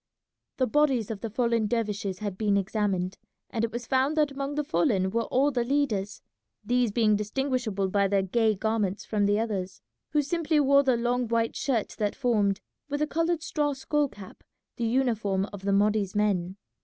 The bodies of the fallen dervishes had been examined, and it was found that among the fallen were all the leaders, these being distinguishable by their gay garments from the others, who simply wore the long white shirt that formed, with a coloured straw skull cap, the uniform of the Mahdi's men.